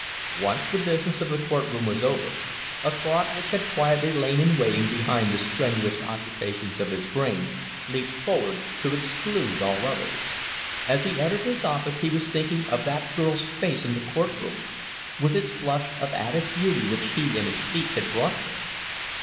Once the business of the court room was over, a thought which had quietly lain in waiting behind the strenuous occupations of his brain leaped forward to exclude all others. As he entered his office he was thinking of that girl's face in the court room, with its flush of added beauty which he and his speech had brought there.